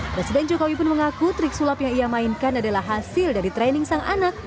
presiden jokowi pun mengaku trik sulap yang ia mainkan adalah hasil dari training sang anak